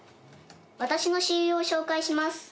私の親友を紹介します。